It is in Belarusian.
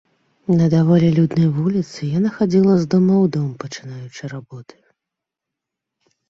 На даволі люднай вуліцы яна хадзіла з дома ў дом, пытаючы работы.